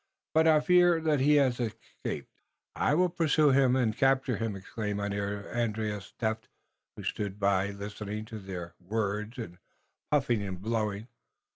But I fear that he has escaped." "I will pursue him und capture him," exclaimed Mynheer Andrius Tefft, who stood by, listening to their words and puffing and blowing.